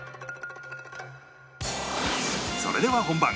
それでは本番